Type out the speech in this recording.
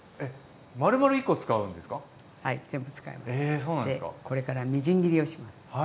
でこれからみじん切りをします。